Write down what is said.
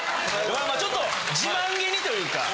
ちょっと自慢気にというか。